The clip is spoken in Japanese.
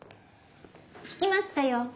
聞きましたよ。